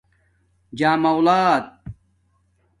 جݳم الات